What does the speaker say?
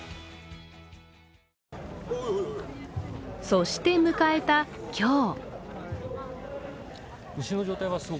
そして迎えた今日。